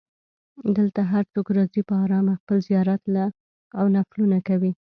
دلته هر څوک راځي په ارامه خپل زیارت او نفلونه کوي.